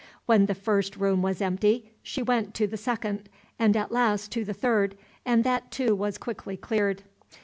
When the first room was empty she went to the second, and at last to the third, and that too was quickly cleared.